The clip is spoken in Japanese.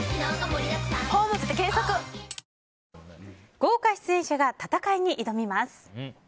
豪華出演者が戦いに挑みます。